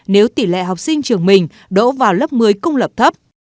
nếu tỷ lệ học sinh trường mình đỗ vào lớp một mươi công lập thấp